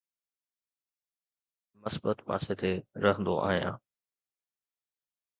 مان زندگي جي مثبت پاسي تي رهندو آهيان